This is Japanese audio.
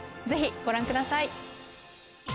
ぜひご覧ください。